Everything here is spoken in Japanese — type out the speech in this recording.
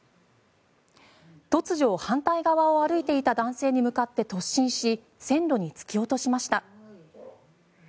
突如、反対側を歩いていた男性に向かって突進し線路に突き落としました。